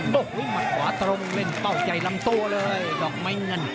โหวิ่งมันขวาตรงเล่นเป้าใหญ่ลำโต้เลยหลอกไม้เงิน